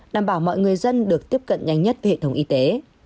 đảm bảo mọi người dân được tiếp cận nhanh nhất với hệ thống y tế